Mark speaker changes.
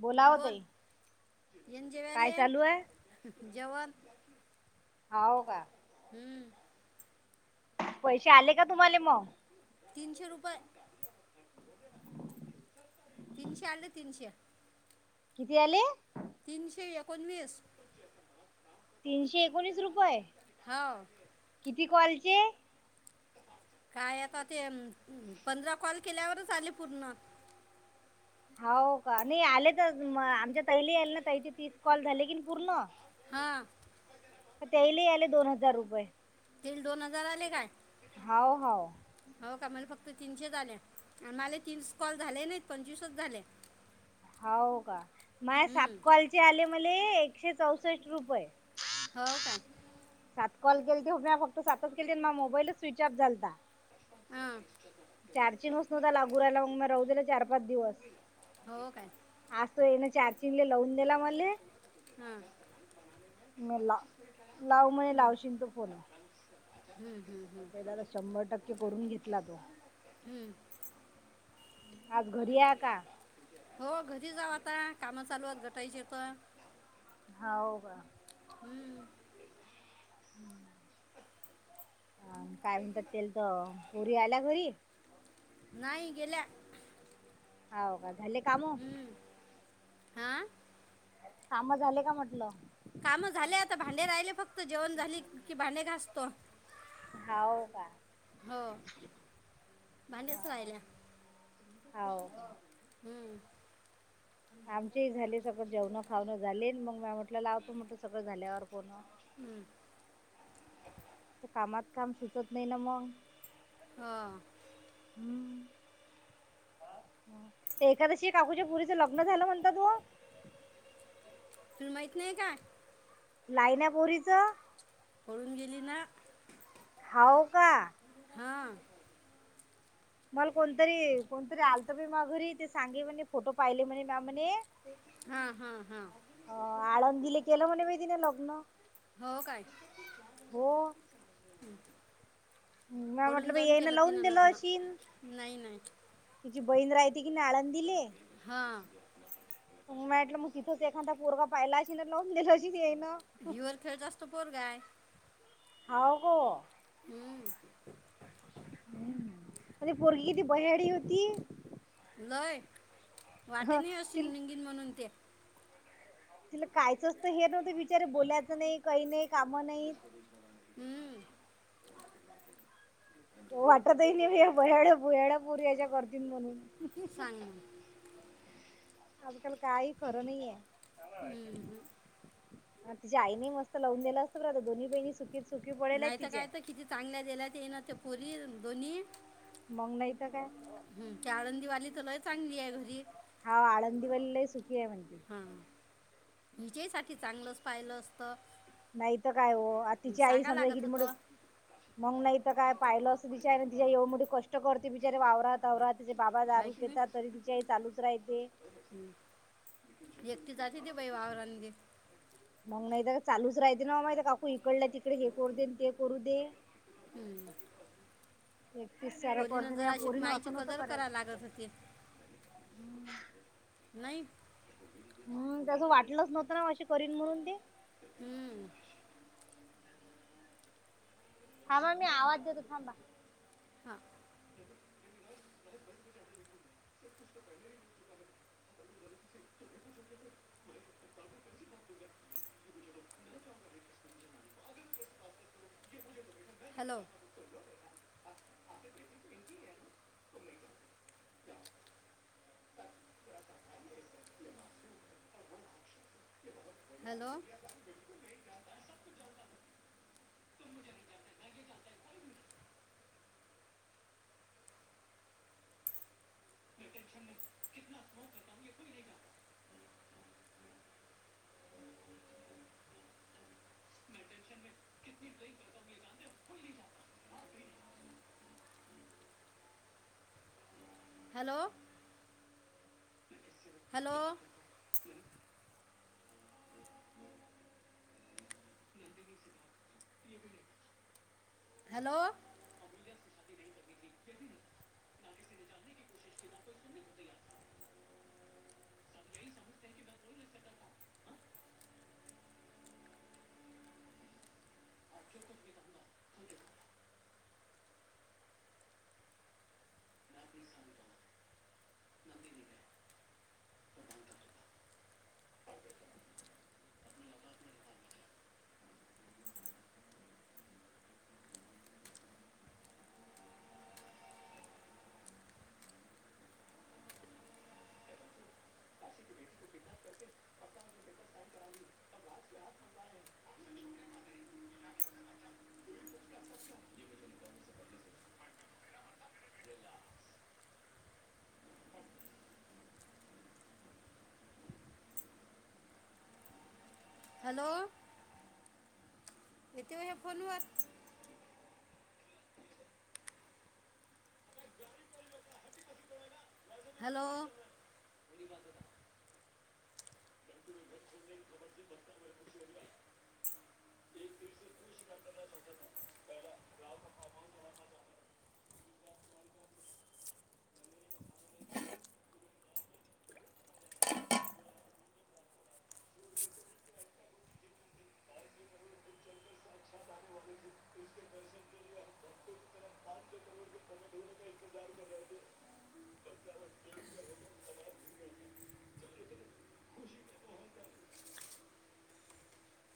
Speaker 1: बोलाव
Speaker 2: बोल,
Speaker 1: ताई
Speaker 2: येन
Speaker 1: काय
Speaker 2: जेवाले,
Speaker 1: चालू आहे
Speaker 2: जेवण
Speaker 1: हाव का?
Speaker 2: हम्म.
Speaker 1: पैशे आले का तुम्हाला मग?
Speaker 2: तीनशे रुपये, तीनशे आले तीनशे
Speaker 1: किती आले?
Speaker 2: तीनशे एकोणवीस.
Speaker 1: तीनशे एकोणीस रुपये,
Speaker 2: हो
Speaker 1: किती कॉलचे?
Speaker 2: काय आता ते पंधरा कॉल केल्यावरच आले पूर्ण.
Speaker 1: हाव का? नाही आले तर आमच्या ताईले येईला ना, ताईचे तीस कॉल झाले की पूर्ण.
Speaker 2: हां.
Speaker 1: त्याईले आले दोन हजार रुपये.
Speaker 2: तिले दोन हजार आले काय?
Speaker 1: हाव हाव.
Speaker 2: हो का? मला फक्त तीनशे आले आणि माले तीस कॉल झाले नाहीत, पंचवीसच झाले.
Speaker 1: हो का? माया सात
Speaker 2: हं,
Speaker 1: कॉलचे आले मले एकशे चौसष्ट रुपये.
Speaker 2: हो काय?
Speaker 1: सात कॉल केले ते म फक्त सातच केले, मग मोबाईलच स्विचऑफ झालता.
Speaker 2: हां.
Speaker 1: चार [unintelligible] चिनस नव्हता लागू राहिला मग म राहूं दिला चार-पाच दिवस.
Speaker 2: हो काय?
Speaker 1: आज तो ये ना चार्चिंगले लावून दिला मले.
Speaker 2: हां.
Speaker 1: मेला लाव म्हने लावशील त फोन.
Speaker 2: ह् हम् हम्म.
Speaker 1: पहिला तर शंभर टक्के करून घेतला तो.
Speaker 2: हं.
Speaker 1: आज घरी आहे का
Speaker 2: हो घरी जाऊ आता, काम चालूयत घटायची तर.
Speaker 1: हा हो का
Speaker 2: हम्म
Speaker 1: हम्म अ काय म्हणतात तेल त पोरी आयल्या घरी.
Speaker 2: नाही गेल्या
Speaker 1: हो का झाले काम.
Speaker 2: हा
Speaker 1: काम झाले का म्हटलं.
Speaker 2: काम झाले आता भांडे राहिले फक्त जेवण झाली की भांडे घास
Speaker 1: होव का
Speaker 2: भांडीच राहिल्यात.
Speaker 1: हो
Speaker 2: हम
Speaker 1: आमचीही झाले सगळं जेवण खाणं झाले मग म म्हटलं लावतो. म्हटलं सगळं झाल्यावर फोन.
Speaker 2: हम्म
Speaker 1: ते कामात काम सुचत नाही ना मग.
Speaker 2: हा
Speaker 1: ह् ते एखादशी काकूच्या पोरीचं तिचं लग्न झालं म्हणतात वो.
Speaker 2: तुला माहीत नाही का.
Speaker 1: लाईना पोरीचं.
Speaker 2: पळून गेली ना.
Speaker 1: हो का
Speaker 2: हा
Speaker 1: मला कोणतरी कोणतरी आलत प मा घरी ते सांगे म्हणे फोटो पाहिले म्हणे म्हणे.
Speaker 2: हा हा हा
Speaker 1: अ आळंदीले केलं म्हणे तिने लग्न.
Speaker 2: हो काय.
Speaker 1: हो म्या म्हटलं
Speaker 2: पळून
Speaker 1: बाई
Speaker 2: जाऊन
Speaker 1: येईन
Speaker 2: केल
Speaker 1: लावून
Speaker 2: तिनं
Speaker 1: दिलं
Speaker 2: लग्न
Speaker 1: अशीन
Speaker 2: नाही नाही.
Speaker 1: तिची बहीण राहिती की नाय आळंदीले.
Speaker 2: हा
Speaker 1: तु माहिटलं मग तिथंच एखादा पोरगा पाहियलाशी ना लावून असशील येई ना.
Speaker 2: हिवरखेडचाच तर पोर हाय.
Speaker 1: हा कह
Speaker 2: हम्
Speaker 1: पोरगी किती बयाडी होती.
Speaker 2: लय वाटे
Speaker 1: ह
Speaker 2: नाही असशी
Speaker 1: ति
Speaker 2: निंगीन म्हणून ते.
Speaker 1: तिला कायचं असत हे नव्हतं विचार बोलायचं नाही काही नाही काम नाही.
Speaker 2: ह
Speaker 1: वाटतही नाही बयाड्या बुयाड्या पोरी अशा करतील म्हणून.
Speaker 2: सांग मग
Speaker 1: आजकाल काही खरं नाहीे आहे.
Speaker 2: हम्म हम
Speaker 1: अ तिच्या आईने मस्त लावून दिलं असतं ब आता दोन्ही बहिणी सुकी
Speaker 2: नाहीत काय तर किती चांगल्या दिला ते ये ना ते पोरी दोन्ही
Speaker 1: मग नाही तर काय.
Speaker 2: हम् घरी आळंदी वाली तर लय चांगली आहे घरी.
Speaker 1: हा आळंदी वाली सुखी आहे म्हणते.
Speaker 2: हा हिच्याइसाठी चांगलंच पाहिलं असतं.
Speaker 1: नाही तर काय हो आता तिची आई
Speaker 2: सांगा
Speaker 1: समजा
Speaker 2: लागत
Speaker 1: किती
Speaker 2: होतं
Speaker 1: [unintelligible] मग नाही तर काय पाहिलं असं बिचारी ना तिच्या एवढ मोठी कष्ट करते बिचारी वावरात वावरात. त्याचे बाबा
Speaker 2: हाय
Speaker 1: दारू
Speaker 2: की नाही
Speaker 1: पेता. तरी तिच्याही चालूच रायते.
Speaker 2: हं. एकटी जाते ती बाई वावरांगे.
Speaker 1: मग नाही तर चालूच राहते ना माय काकू. इकडला तिकडे हे करू देन ते करू दे. [inaudible] एकटीस सार
Speaker 2: पोरीनं
Speaker 1: करती.
Speaker 2: जरा
Speaker 1: या
Speaker 2: अशी
Speaker 1: पोरीन अस
Speaker 2: माईची
Speaker 1: नव्हत
Speaker 2: कदर
Speaker 1: करायच.
Speaker 2: करा
Speaker 1: [inaudible]
Speaker 2: लागत होती नाही
Speaker 1: हम्म तस वाटलच नव्हत ना अशी करीन म्हणून ते.
Speaker 2: हम्म
Speaker 1: थांबा. मी आवाज देतो थांबा.
Speaker 2: हा
Speaker 1: [inaudible]
Speaker 2: hello hello [unintelligible] hello hello hello [unintelligible] [inaudible] hello किती वेळ हे फोनवर? हॅलो